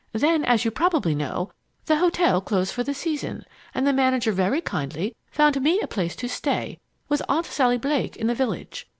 Then, as you probably know, the hotel closed for the season, and the manager very kindly found me a place to stay with Aunt Sally Blake in the village.